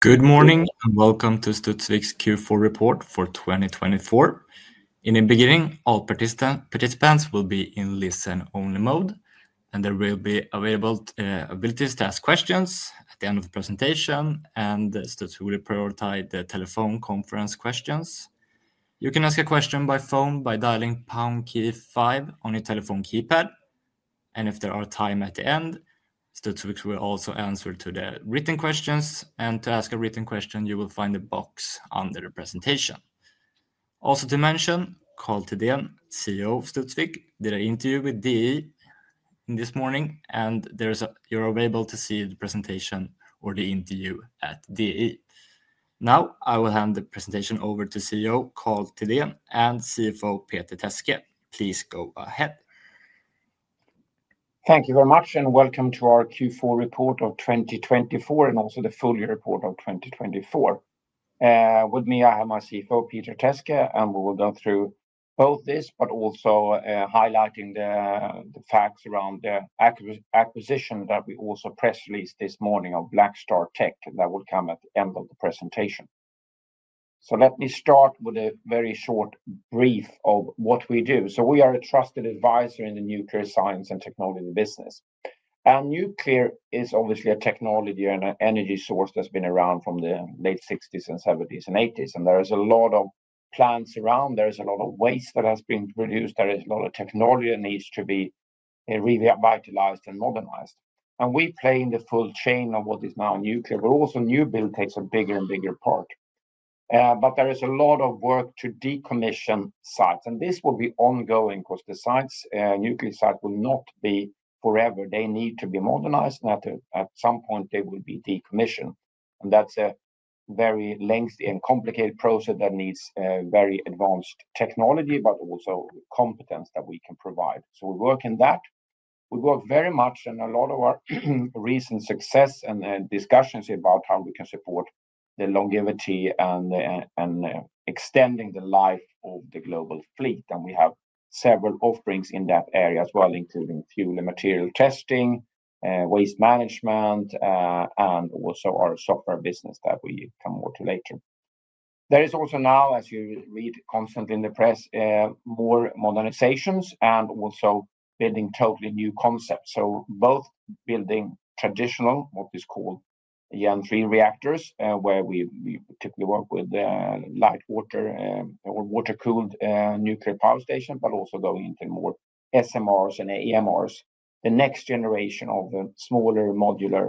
Good morning and welcome to Studsvik's Q4 report for 2024. In the beginning, all participants will be in listen-only mode, and there will be available ability to ask questions at the end of the presentation, and Studsvik will prioritize the telephone conference questions. You can ask a question by phone by dialing pound key five on your telephone keypad, and if there is time at the end, Studsvik will also answer the written questions. To ask a written question, you will find a box under the presentation. Also to mention, Karl Thedéen, CEO of Studsvik, did an interview with DE this morning, and you're available to see the presentation or the interview at DE. Now I will hand the presentation over to CEO Karl Thedéen and CFO Peter Teske. Please go ahead. Thank you very much, and welcome to our Q4 report of 2024 and also the full year report of 2024. With me, I have my CFO, Peter Teske, and we will go through both this, but also highlighting the facts around the acquisition that we also press released this morning of BlackStarTech that will come at the end of the presentation. Let me start with a very short brief of what we do. We are a trusted advisor in the nuclear science and technology business. Nuclear is obviously a technology and an energy source that's been around from the late 1960s and 1970s and 1980s, and there are a lot of plants around. There is a lot of waste that has been produced. There is a lot of technology that needs to be revitalized and modernized. We play in the full chain of what is now nuclear, but also new build takes a bigger and bigger part. There is a lot of work to decommission sites, and this will be ongoing because the sites, nuclear sites, will not be forever. They need to be modernized, and at some point, they will be decommissioned. That is a very lengthy and complicated process that needs very advanced technology, but also competence that we can provide. We work in that. We work very much on a lot of our recent success and discussions about how we can support the longevity and extending the life of the global fleet. We have several offerings in that area as well, including fuel and material testing, waste management, and also our software business that we come more to later. There is also now, as you read constantly in the press, more modernizations and also building totally new concepts. Both building traditional, what is called Gen III reactors, where we typically work with light water or water-cooled nuclear power stations, but also going into more SMRs and AMRs, the next generation of the smaller modular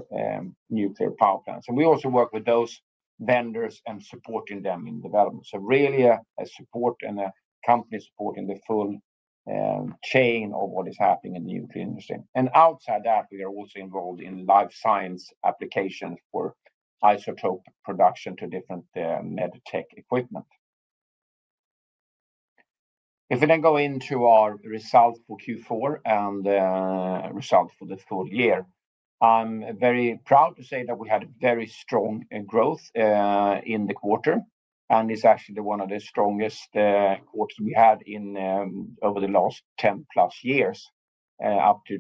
nuclear power plants. We also work with those vendors and supporting them in development. Really a support and a company supporting the full chain of what is happening in the nuclear industry. Outside that, we are also involved in life science applications for isotope production to different medtech equipment. If we then go into our results for Q4 and results for the full year, I'm very proud to say that we had very strong growth in the quarter, and it's actually one of the strongest quarters we had over the last 10+ years, up to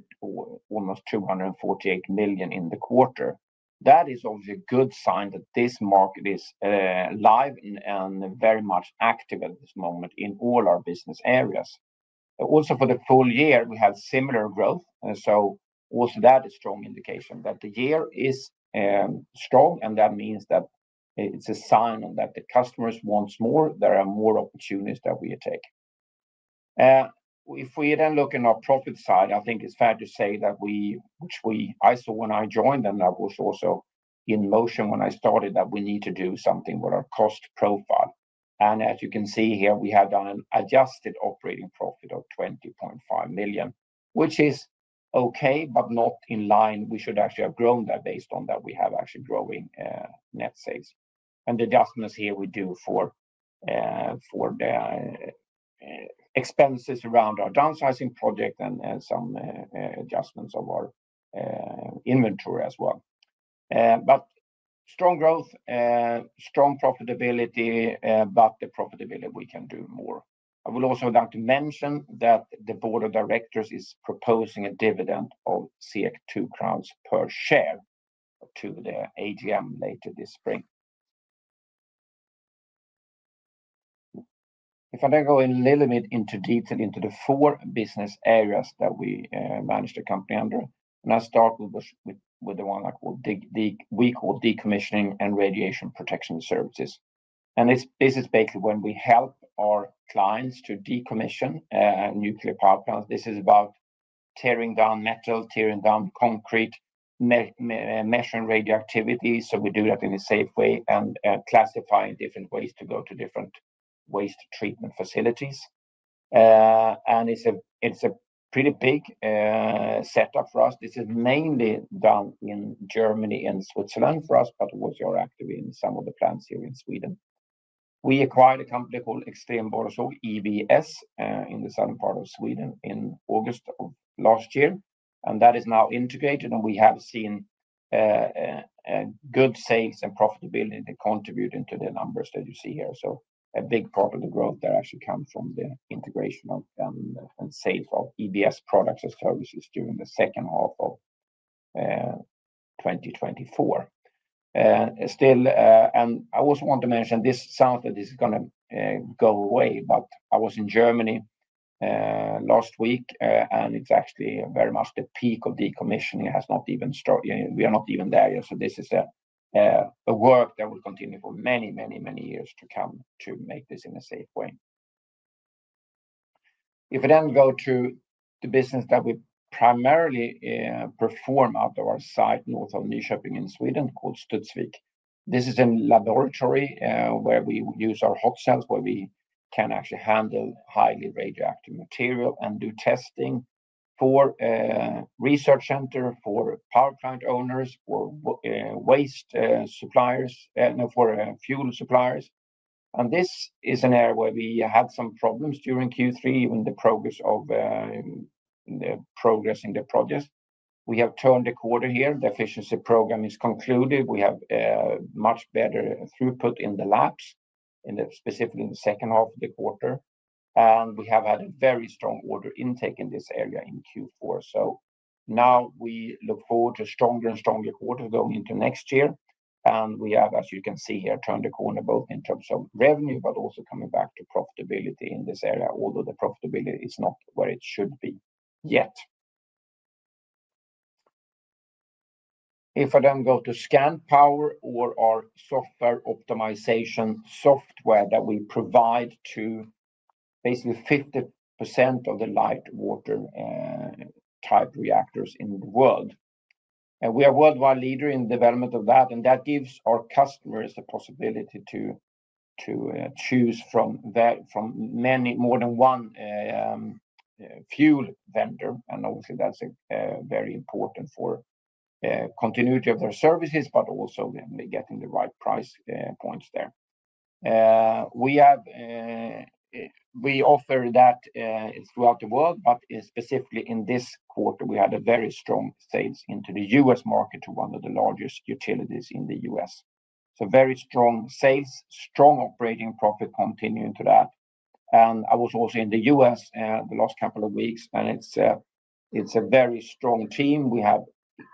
almost 248 million in the quarter. That is obviously a good sign that this market is live and very much active at this moment in all our business areas. Also for the full year, we have similar growth, and so also that is a strong indication that the year is strong, and that means that it's a sign that the customers want more. There are more opportunities that we are taking. If we then look in our profit side, I think it's fair to say that we, which I saw when I joined, and that was also in motion when I started, that we need to do something with our cost profile. As you can see here, we have done an adjusted operating profit of 20.5 million, which is okay, but not in line. We should actually have grown that based on that we have actually growing net sales. The adjustments here we do for the expenses around our downsizing project and some adjustments of our inventory as well. Strong growth, strong profitability, but the profitability we can do more. I would also like to mention that the board of directors is proposing a dividend of 2 crowns per share to the AGM later this spring. If I then go a little bit into detail into the four business areas that we manage the company under, and I start with the one that we call decommissioning and radiation protection services. This is basically when we help our clients to decommission nuclear power plants. This is about tearing down metal, tearing down concrete, measuring radioactivity. We do that in a safe way and classifying different ways to go to different waste treatment facilities. It is a pretty big setup for us. This is mainly done in Germany and Switzerland for us, but we're also active in some of the plants here in Sweden. We acquired a company called Extrem Borr&SAg, EBS, in the southern part of Sweden in August of last year, and that is now integrated, and we have seen good sales and profitability contributing to the numbers that you see here. A big part of the growth there actually comes from the integration and sales of EBS products and services during the second half of 2024. Still, and I also want to mention this sounds that this is going to go away, but I was in Germany last week, and it's actually very much the peak of decommissioning. It has not even started. We are not even there yet. This is a work that will continue for many, many, many years to come to make this in a safe way. If we then go to the business that we primarily perform out of our site north of Nyköping in Sweden called Studsvik. This is a laboratory where we use our hot cells where we can actually handle highly radioactive material and do testing for research centers, for power plant owners, for waste suppliers, for fuel suppliers. This is an area where we had some problems during Q3, even the progress of the progress in the project. We have turned the quarter here. The efficiency program is concluded. We have much better throughput in the labs, specifically in the second half of the quarter. We have had a very strong order intake in this area in Q4. Now we look forward to stronger and stronger quarters going into next year. We have, as you can see here, turned the corner both in terms of revenue, but also coming back to profitability in this area, although the profitability is not where it should be yet. If I then go to ScandPower or our software optimization software that we provide to basically 50% of the light water type reactors in the world. We are a worldwide leader in the development of that, and that gives our customers the possibility to choose from many more than one fuel vendor. Obviously, that's very important for continuity of their services, but also getting the right price points there. We offer that throughout the world, but specifically in this quarter, we had very strong sales into the U.S. market to one of the largest utilities in the U.S. Very strong sales, strong operating profit continuing to that. I was also in the U.S. the last couple of weeks, and it's a very strong team. We have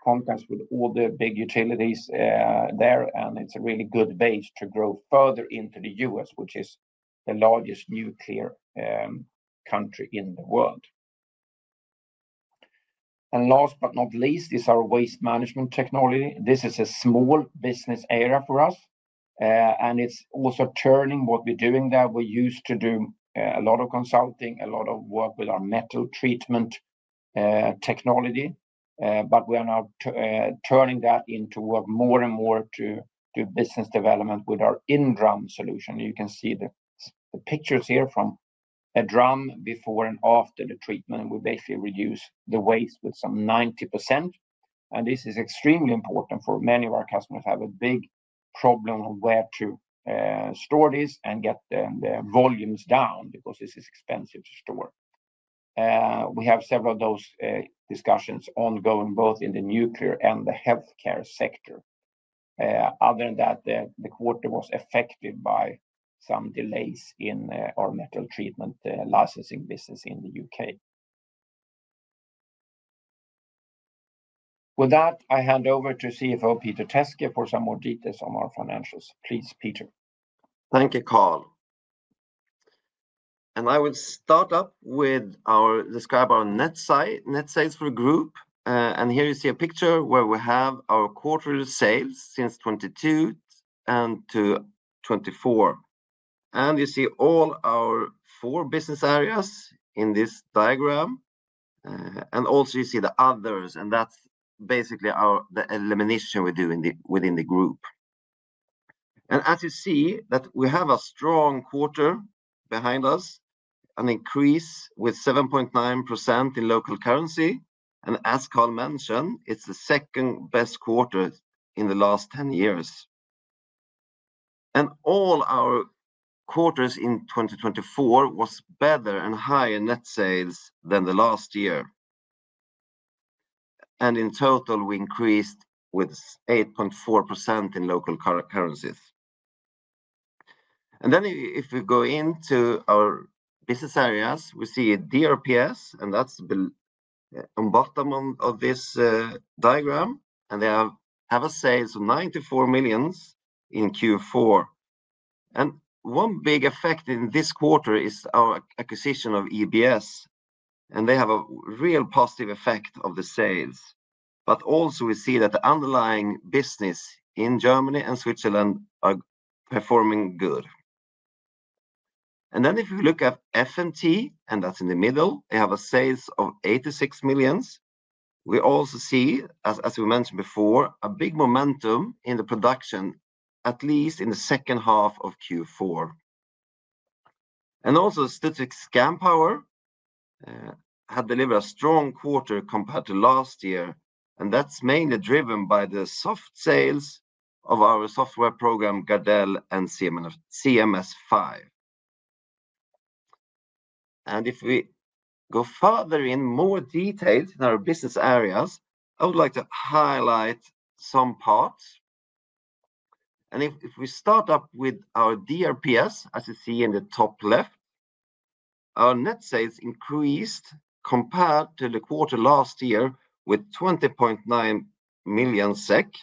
contacts with all the big utilities there, and it's a really good base to grow further into the U.S., which is the largest nuclear country in the world. Last but not least is our waste management technology. This is a small business area for us, and it's also turning what we're doing that we used to do a lot of consulting, a lot of work with our metal treatment technology, but we are now turning that into work more and more to do business development with our in-drum solution. You can see the pictures here from a drum before and after the treatment, and we basically reduce the waste with some 90%. This is extremely important for many of our customers who have a big problem of where to store this and get the volumes down because this is expensive to store. We have several of those discussions ongoing both in the nuclear and the healthcare sector. Other than that, the quarter was affected by some delays in our metal treatment licensing business in the U.K. With that, I hand over to CFO Peter Teske for some more details on our financials. Please, Peter. Thank you, Karl. I will start up with our describe our net sales for the group. Here you see a picture where we have our quarterly sales since 2022 and to 2024. You see all our four business areas in this diagram. Also you see the others, and that's basically the elimination we do within the group. You see that we have a strong quarter behind us, an increase with 7.9% in local currency. As Karl mentioned, it's the second best quarter in the last 10 years. All our quarters in 2024 were better and higher net sales than the last year. In total, we increased with 8.4% in local currencies. If we go into our business areas, we see DRPS, and that's on the bottom of this diagram. They have a sales of 94 million in Q4. One big effect in this quarter is our acquisition of EBS. They have a real positive effect on the sales. We also see that the underlying business in Germany and Switzerland are performing good. If we look at F&T, and that's in the middle, they have a sales of 86 million. We also see, as we mentioned before, a big momentum in the production, at least in the second half of Q4. Also, Statistics ScandPower had delivered a strong quarter compared to last year, and that's mainly driven by the soft sales of our software program, Gardell and CMS5. If we go further in more detail in our business areas, I would like to highlight some parts. If we start up with our DRPS, as you see in the top left, our net sales increased compared to the quarter last year with 20.9 million SEK,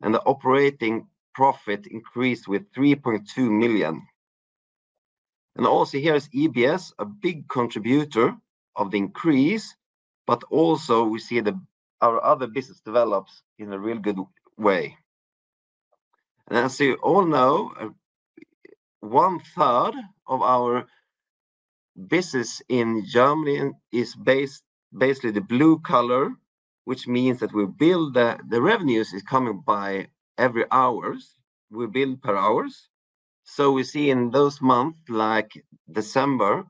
and the operating profit increased with 3.2 million. Also here is EBS, a big contributor of the increase, but we see that our other business develops in a real good way. As you all know, one third of our business in Germany is basically the blue color, which means that we build the revenues is coming by every hours. We build per hours. We see in those months like December,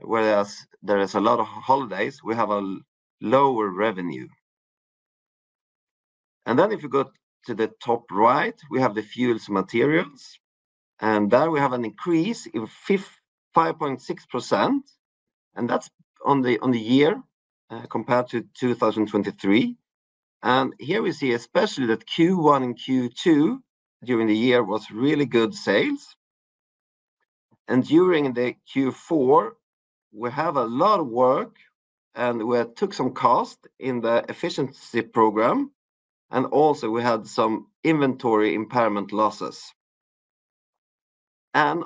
whereas there is a lot of holidays, we have a lower revenue. If you go to the top right, we have the fuels materials, and there we have an increase of 5.6%, and that's on the year compared to 2023. Here we see especially that Q1 and Q2 during the year was really good sales. During Q4, we have a lot of work, and we took some cost in the efficiency program, and also we had some inventory impairment losses. On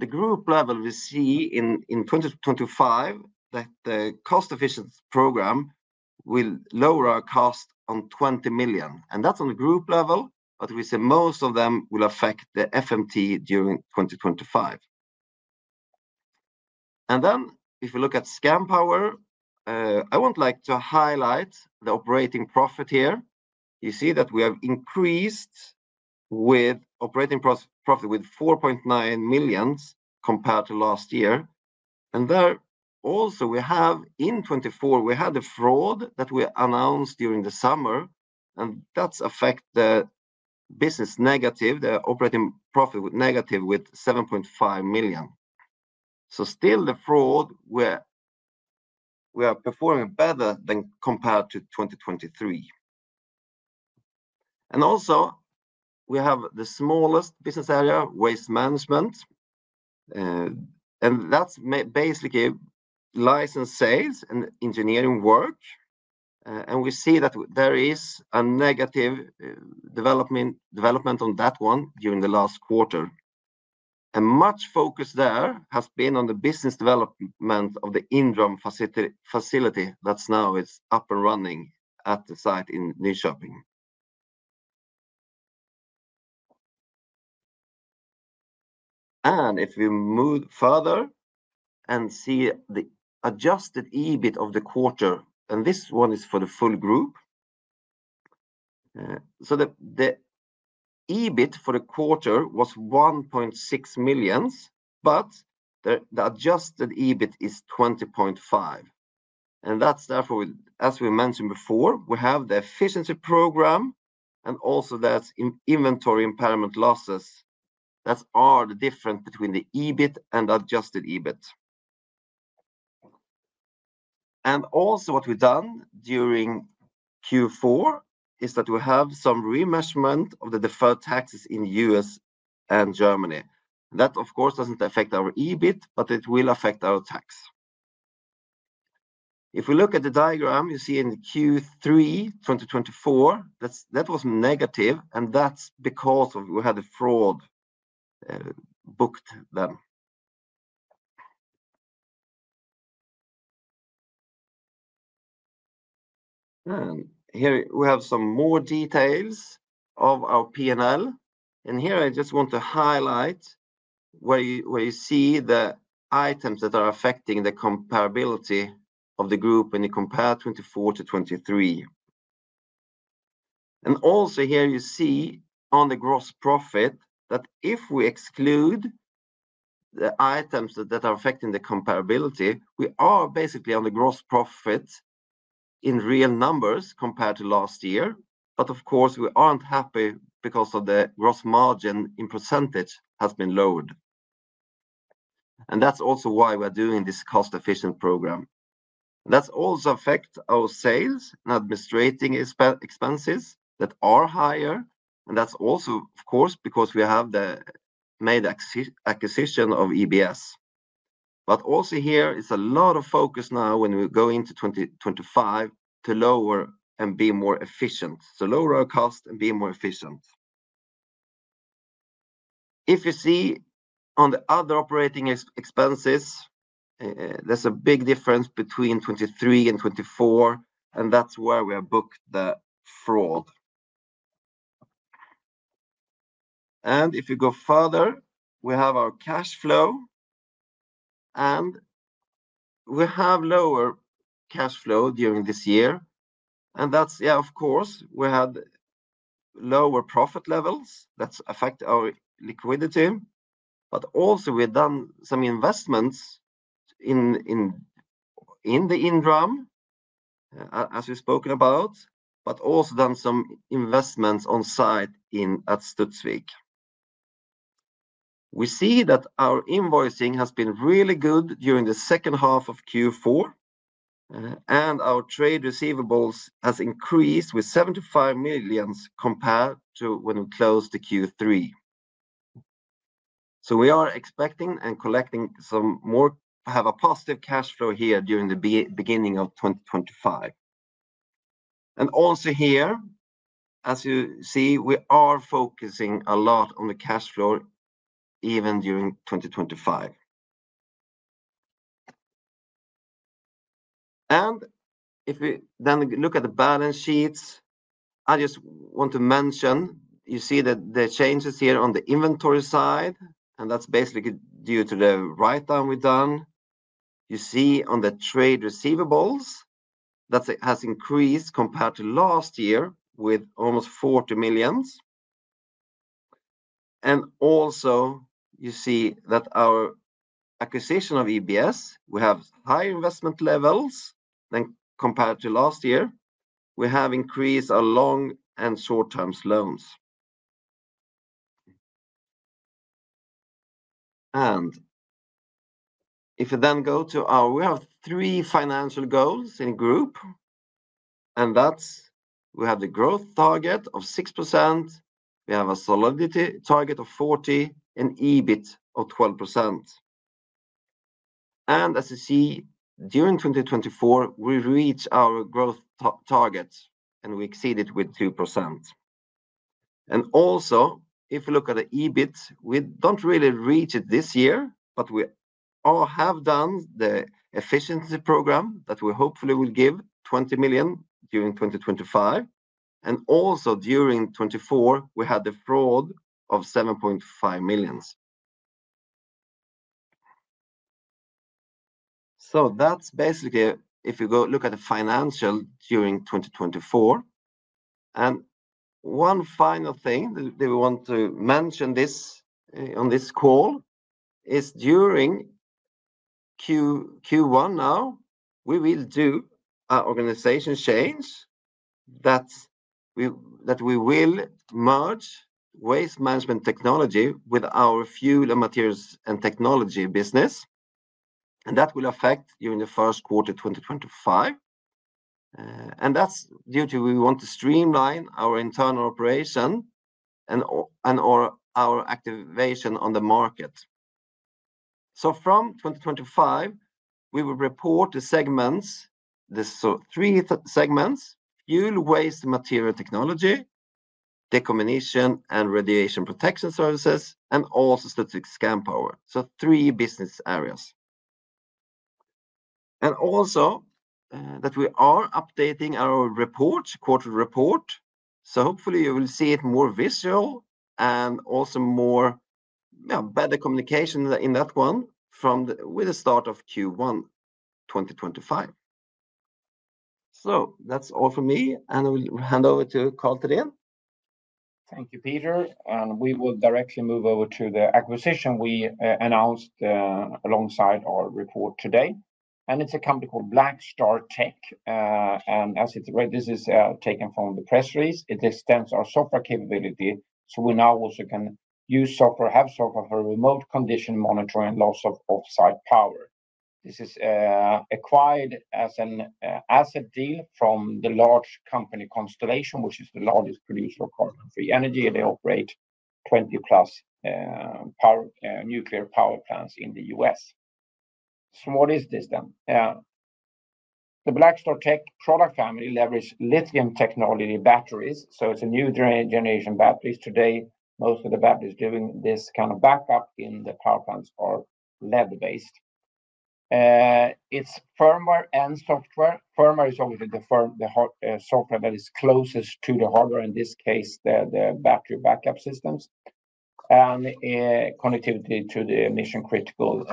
the group level, we see in 2025 that the cost efficiency program will lower our cost by 20 million, and that's on the group level, but we say most of them will affect the FMT during 2025. If we look at ScandPower, I would like to highlight the operating profit here. You see that we have increased operating profit by 4.9 million compared to last year. There also in 2024, we had the fraud that we announced during the summer, and that affected the business negative, the operating profit negative by 7.5 million. Still, the fraud, we are performing better than compared to 2023. Also, we have the smallest business area, waste management, and that's basically license sales and engineering work. We see that there is a negative development on that one during the last quarter. Much focus there has been on the business development of the in-drum facility that's now up and running at the site in Nyköping. If we move further and see the adjusted EBIT of the quarter, and this one is for the full group. The EBIT for the quarter was 1.6 million, but the adjusted EBIT is 20.5 million. That's therefore, as we mentioned before, we have the efficiency program, and also that's inventory impairment losses. That's the difference between the EBIT and adjusted EBIT. What we've done during Q4 is that we have some remeasurement of the deferred taxes in the U.S. and Germany. That, of course, does not affect our EBIT, but it will affect our tax. If we look at the diagram, you see in Q3 2024, that was negative, and that's because we had a fraud booked then. Here we have some more details of our P&L. I just want to highlight where you see the items that are affecting the comparability of the group when you compare 2024 to 2023. Here you see on the gross profit that if we exclude the items that are affecting the comparability, we are basically on the gross profit in real numbers compared to last year. Of course, we are not happy because the gross margin in percentage has been lowered. That is also why we're doing this cost-efficient program. That has also affected our sales and administrative expenses that are higher. That is also, of course, because we have made the acquisition of EBS. There is a lot of focus now as we go into 2025 to lower and be more efficient, so lower our cost and be more efficient. If you see on the other operating expenses, there's a big difference between 2023 and 2024, and that is where we have booked the fraud. If you go further, we have our cash flow, and we have lower cash flow during this year. That is, of course, because we had lower profit levels. That has affected our liquidity. We have also done some investments in the in-drum, as we've spoken about, and also done some investments on site at Studsvik. We see that our invoicing has been really good during the second half of Q4, and our trade receivables have increased with 75 million compared to when we closed Q3. We are expecting and collecting some more, have a positive cash flow here during the beginning of 2025. Also here, as you see, we are focusing a lot on the cash flow even during 2025. If we then look at the balance sheets, I just want to mention, you see that the changes here on the inventory side, and that's basically due to the write-down we've done. You see on the trade receivables, that has increased compared to last year with almost 40 million. Also you see that our acquisition of EBS, we have higher investment levels than compared to last year. We have increased our long and short-term loans. If you then go to our, we have three financial goals in the group, and that's we have the growth target of 6%, we have a solidity target of 40, and EBIT of 12%. As you see, during 2024, we reached our growth target, and we exceeded with 2%. Also, if we look at the EBIT, we don't really reach it this year, but we have done the efficiency program that we hopefully will give 20 million during 2025. Also during 2024, we had the fraud of 7.5 million. That's basically if you go look at the financial during 2024. One final thing that we want to mention on this call is during Q1 now, we will do our organization change that we will merge waste management technology with our fuel and materials and technology business. That will affect during the first quarter of 2025. That's due to we want to streamline our internal operation and our activation on the market. From 2025, we will report the segments, the three segments, fuel, waste, material, technology, decommissioning and radiation protection services, and also statistics ScandPower. Three business areas. We are updating our report, quarter report. Hopefully you will see it more visual and also more, yeah, better communication in that one with the start of Q1 2025. That's all for me, and I will hand over to Karl Thedéen. Thank you, Peter. We will directly move over to the acquisition we announced alongside our report today. It's a company called BlackStarTech. As it's right, this is taken from the press release. It extends our software capability. We now also can use software, have software for remote condition monitoring and loss of offsite power. This is acquired as an asset deal from the large company Constellation, which is the largest producer of carbon-free energy, and they operate 20 plus nuclear power plants in the U.S. What is this then? The BlackStarTech product family leverages lithium technology batteries. It is a new generation batteries. Today, most of the batteries doing this kind of backup in the power plants are lead-based. It is firmware and software. Firmware is always the software that is closest to the hardware, in this case, the battery backup systems and connectivity to the mission-critical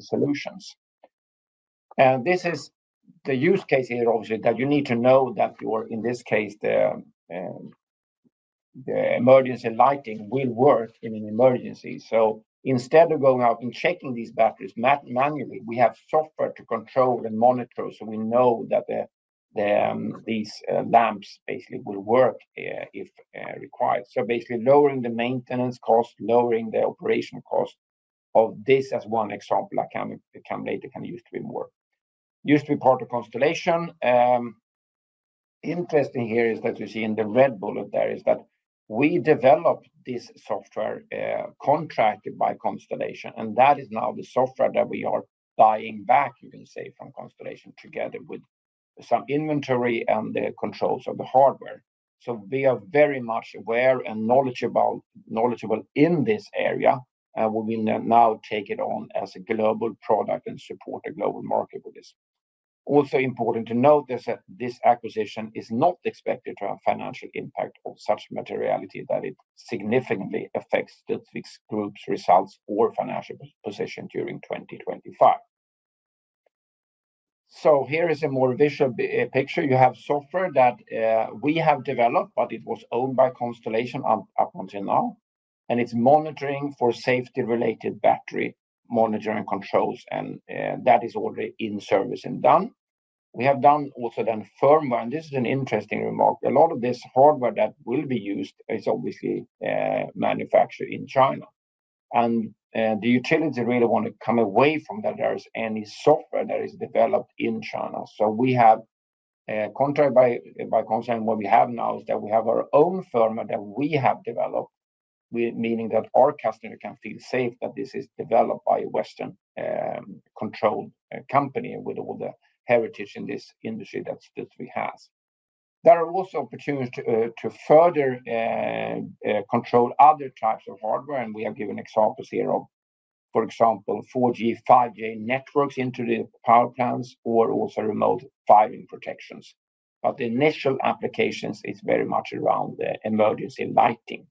solutions. This is the use case here, obviously, that you need to know that you are, in this case, the emergency lighting will work in an emergency. Instead of going out and checking these batteries manually, we have software to control and monitor. We know that these lamps basically will work if required. Basically lowering the maintenance cost, lowering the operation cost of this as one example. I can later can use to be more, used to be part of Constellation. Interesting here is that you see in the red bullet there is that we developed this software contracted by Constellation, and that is now the software that we are buying back, you can say, from Constellation together with some inventory and the controls of the hardware. We are very much aware and knowledgeable in this area, and we will now take it on as a global product and support a global market with this. Also important to note is that this acquisition is not expected to have financial impact of such materiality that it significantly affects Studsvik's group's results or financial position during 2025. Here is a more visual picture. You have software that we have developed, but it was owned by Constellation up until now, and it's monitoring for safety-related battery monitoring controls, and that is already in service and done. We have done also then firmware, and this is an interesting remark. A lot of this hardware that will be used is obviously manufactured in China, and the utility really want to come away from that there is any software that is developed in China. We have contracted by Constellation. What we have now is that we have our own firmware that we have developed, meaning that our customer can feel safe that this is developed by a Western-controlled company with all the heritage in this industry that Studsvik has. There are also opportunities to further control other types of hardware, and we have given examples here of, for example, 4G, 5G networks into the power plants or also remote firing protections. The initial applications is very much around the emergency lighting.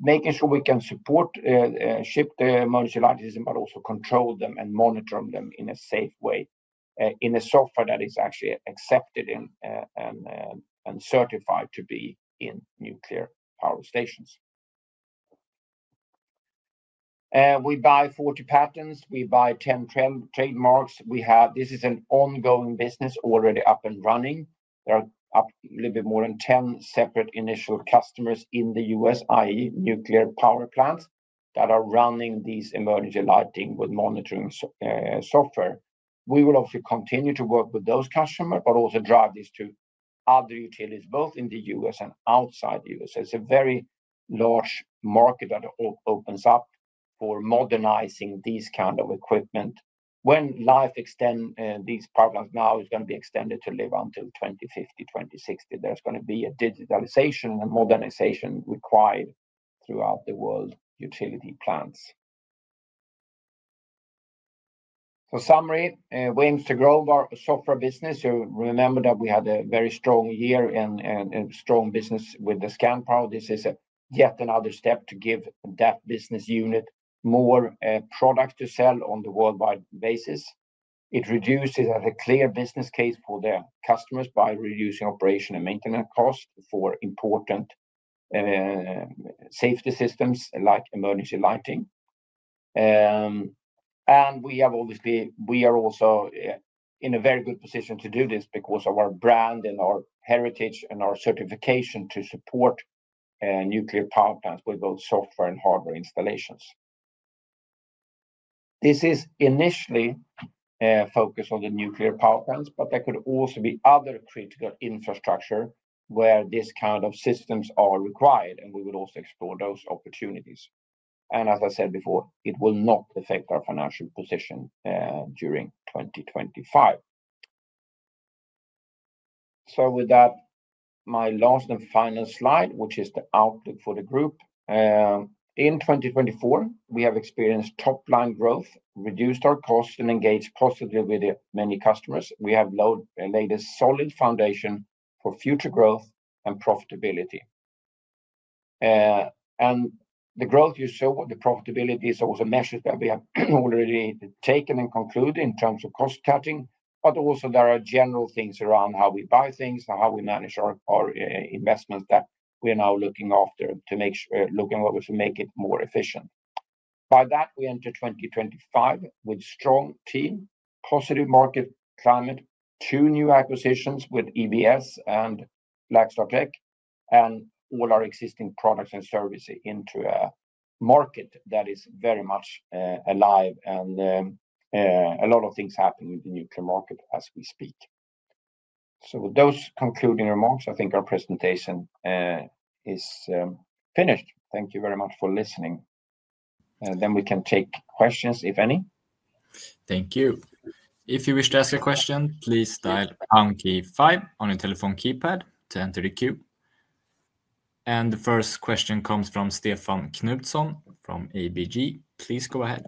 Making sure we can support, ship the emergency lighting, but also control them and monitor them in a safe way in a software that is actually accepted and certified to be in nuclear power stations. We buy 40 patents. We buy 10 trademarks. This is an ongoing business already up and running. There are a little bit more than 10 separate initial customers in the U.S., i.e., nuclear power plants that are running these emergency lighting with monitoring software. We will obviously continue to work with those customers, but also drive this to other utilities, both in the U.S. and outside the U.S. It is a very large market that opens up for modernizing these kinds of equipment. When life extends, these power plants now are going to be extended to live until 2050, 2060. There is going to be a digitalization and modernization required throughout the world utility plants. In summary, we aim to grow our software business. You remember that we had a very strong year and strong business with the ScandPower. This is yet another step to give that business unit more products to sell on the worldwide basis. It reduces a clear business case for the customers by reducing operation and maintenance costs for important safety systems like emergency lighting. We are also in a very good position to do this because of our brand and our heritage and our certification to support nuclear power plants with both software and hardware installations. This is initially focused on the nuclear power plants, but there could also be other critical infrastructure where this kind of systems are required, and we will also explore those opportunities. As I said before, it will not affect our financial position during 2025. With that, my last and final slide, which is the outlook for the group. In 2024, we have experienced top-line growth, reduced our costs, and engaged positively with many customers. We have laid a solid foundation for future growth and profitability. The growth you saw, the profitability is also measures that we have already taken and concluded in terms of cost-cutting, but also there are general things around how we buy things and how we manage our investments that we are now looking after to make sure, looking at what we should make it more efficient. By that, we enter 2025 with a strong team, positive market climate, two new acquisitions with EBS and BlackStarTech, and all our existing products and services into a market that is very much alive and a lot of things happening in the nuclear market as we speak. With those concluding remarks, I think our presentation is finished. Thank you very much for listening. We can take questions if any. Thank you. If you wish to ask a question, please type pound key five on your telephone keypad to enter the queue. The first question comes from Stefan Knutsson from ABG. Please go ahead.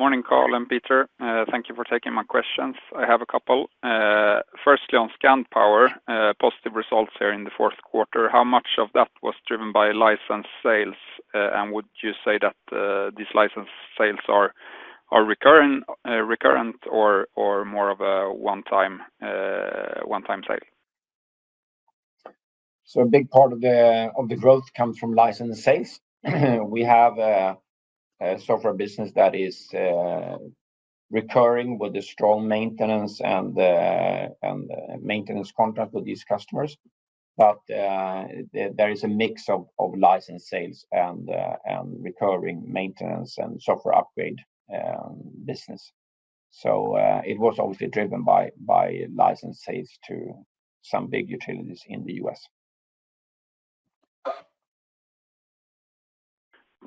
Morning, Karl and Peter. Thank you for taking my questions. I have a couple. Firstly, on ScandPower, positive results here in the fourth quarter. How much of that was driven by license sales? Would you say that these license sales are recurrent or more of a one-time sale? A big part of the growth comes from license sales. We have a software business that is recurring with a strong maintenance and maintenance contract with these customers. There is a mix of license sales and recurring maintenance and software upgrade business. It was obviously driven by license sales to some big utilities in the U.S.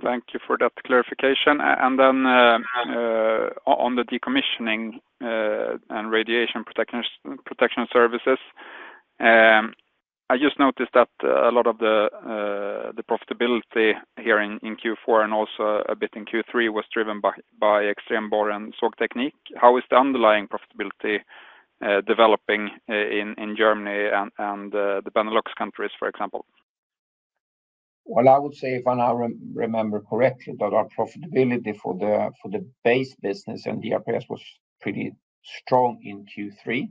Thank you for that clarification. On the decommissioning and radiation protection services, I just noticed that a lot of the profitability here in Q4 and also a bit in Q3 was driven by Extreme Borr&SAg Technique. How is the underlying profitability developing in Germany and the Benelux countries, for example? I would say, if I now remember correctly, that our profitability for the base business and the EBS was pretty strong in Q3.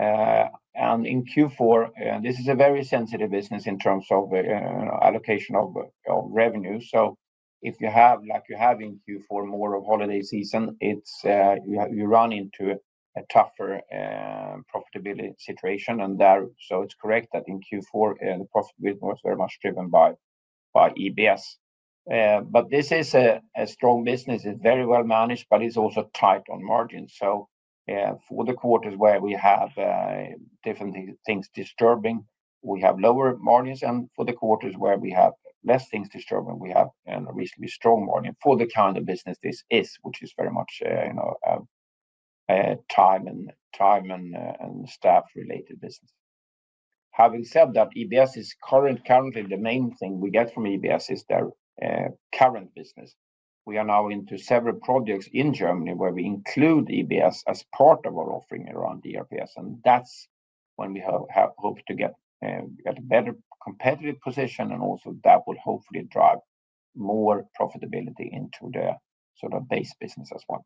In Q4, this is a very sensitive business in terms of allocation of revenue. If you have like you have in Q4 more of holiday season, you run into a tougher profitability situation. It is correct that in Q4, the profitability was very much driven by EBS. This is a strong business. It is very well managed, but it is also tight on margins. For the quarters where we have different things disturbing, we have lower margins. For the quarters where we have less things disturbing, we have a reasonably strong margin for the kind of business this is, which is very much time and staff-related business. Having said that, EBS is currently the main thing we get from EBS is their current business. We are now into several projects in Germany where we include EBS as part of our offering around DRPS. That's when we hope to get a better competitive position. Also, that will hopefully drive more profitability into the sort of base business as well.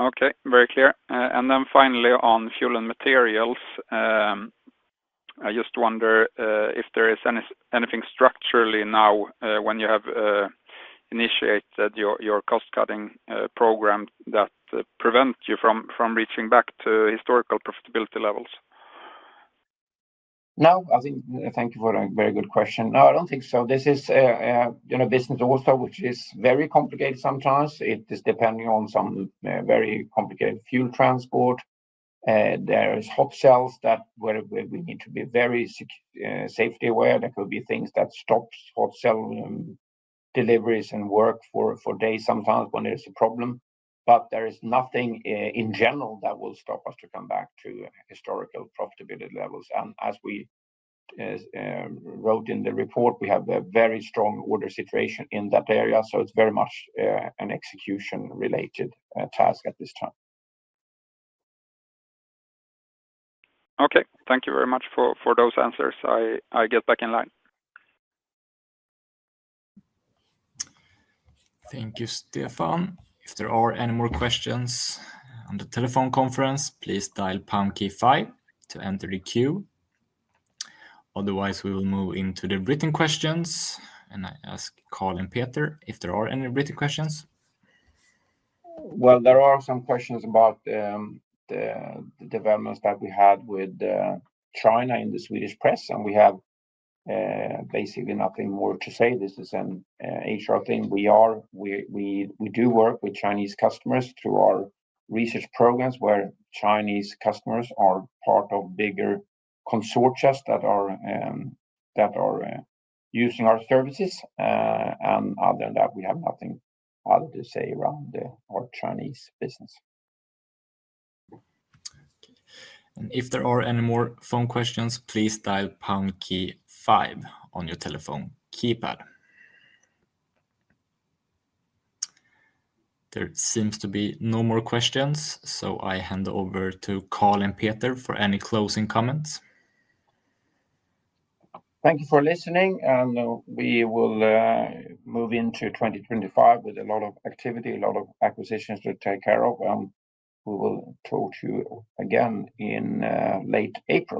Okay, very clear. Finally, on fuel and materials, I just wonder if there is anything structurally now when you have initiated your cost-cutting program that prevents you from reaching back to historical profitability levels? No, I think thank you for a very good question. No, I do not think so. This is a business also which is very complicated sometimes. It is depending on some very complicated fuel transport. There are hot cells that we need to be very safety aware. There could be things that stop hot cell deliveries and work for days sometimes when there is a problem. There is nothing in general that will stop us to come back to historical profitability levels. As we wrote in the report, we have a very strong order situation in that area. It is very much an execution-related task at this time. Okay, thank you very much for those answers. I get back in line. Thank you, Stefan. If there are any more questions on the telephone conference, please dial pound key five to enter the queue. Otherwise, we will move into the written questions. I ask Karl and Peter if there are any written questions. There are some questions about the developments that we had with China in the Swedish press. We have basically nothing more to say. This is an HR thing. We do work with Chinese customers through our research programs where Chinese customers are part of bigger consortia that are using our services. Other than that, we have nothing other to say around our Chinese business. If there are any more phone questions, please dial pound key five on your telephone keypad. There seems to be no more questions, so I hand over to Karl and Peter for any closing comments. Thank you for listening. We will move into 2025 with a lot of activity, a lot of acquisitions to take care of. We will talk to you again in late April.